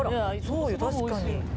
確かに。